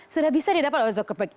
sudah bisa didapat oleh zuckerberg